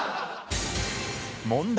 問題。